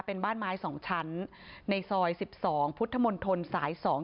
เป็นบ้านไม้สองชั้นในซอยสิบสองพุทธมณฑลสายสอง